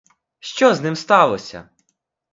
Що з ним сталося!